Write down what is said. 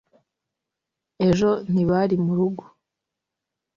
Ejo ntibari murugo.